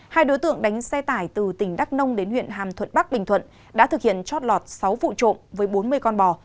hai đối tượng đánh xe tải từ tỉnh đắk nông đến huyện hàm thuận bắc bình thuận đã thực hiện chót lọt sáu vụ trộm với bốn mươi con bò